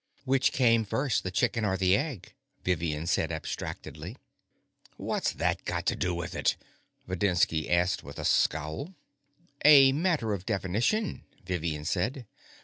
"Which came first the chicken or the egg?" Vivian said abstractedly. "What's that got to do with it?" Videnski asked with a scowl. "A matter of definition," Vivian said.